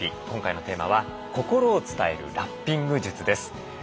今回のテーマは「心を伝えるラッピング術」です。